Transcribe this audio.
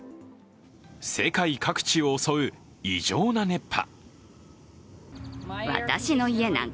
世界各地を襲う異常な熱波。